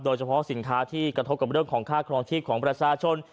โดยเฉพาะสินค้าที่กระทบกับเรื่องของค่าครองชีพของประชาชน